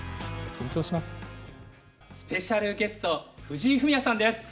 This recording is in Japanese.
スペシャルゲスト藤井フミヤさんです！